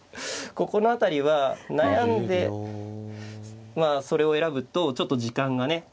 ここの辺りは悩んでそれを選ぶとちょっと時間がね。